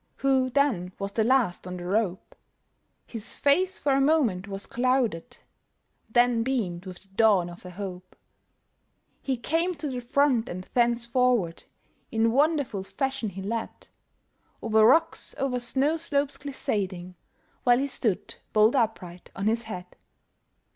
Who then was the last on the rope; His face for a moment was clouded, Then beamed with the dawn of a hope; He came to the front, and thence forward In wonderful fashion he led, Over rocks, over snow slopes glissading, While he stood, bolt upright on his head!